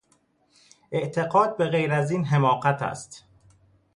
اعتقاد به غیر از این حماقت است.